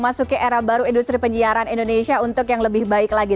memasuki era baru industri penyiaran indonesia untuk yang lebih baik lagi